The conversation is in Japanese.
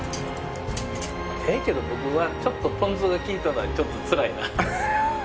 ええけど僕はちょっとポン酢がきいとるのがちょっと辛いな。